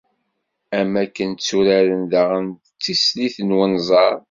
Am akken tturaren daɣen Tislit n wenẓar.